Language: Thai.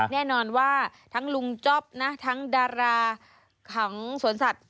แน่นอนว่าทั้งลุงจ๊อปนะทั้งดาราของสวนสัตว์